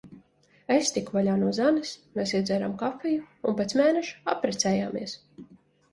Es tiku vaļā no Zanes. Mēs iedzērām kafiju. Un pēc mēneša apprecējāmies.